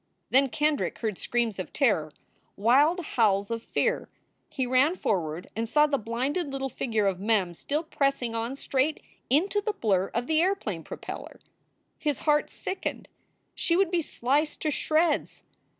Then Kendrick heard screams of terror, wild howls of fear. He ran forward and saw the blinded little figure of Mem still pressing on straight into the blur of the airplane propeller. His heart sickened. She would be sliced to shreds.